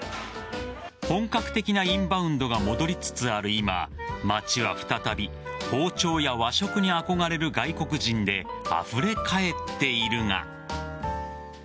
本格的なインバウンドが戻りつつある今街は再び包丁や和食に憧れる外国人であふれかえっているが。